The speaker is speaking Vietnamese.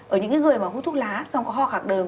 ở những người mà hút thuốc lá xong có ho khạc đời